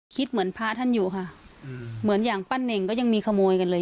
เหมือนพระท่านอยู่ค่ะเหมือนอย่างปั้นเน่งก็ยังมีขโมยกันเลย